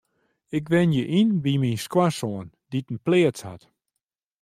Ik wenje yn by my skoansoan dy't in pleats hat.